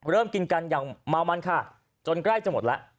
เริ่มกินกันอย่างเมามันค่ะจนใกล้จะหมดแล้ว